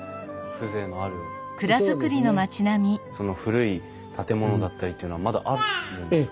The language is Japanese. その古い建物だったりっていうのはまだあるんですか？